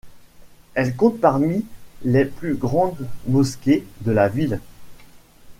Elle compte parmi les plus grandes mosquées de la ville.